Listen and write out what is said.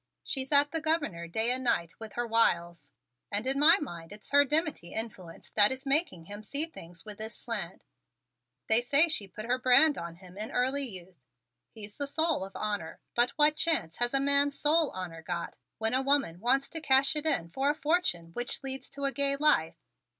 She's at the Governor day and night with her wiles, and in my mind it's her dimity influence that is making him see things with this slant. They say she put her brand on him in early youth. He's the soul of honor but what chance has a man's soul honor got when a woman wants to cash it in for a fortune with which to lead a gay life?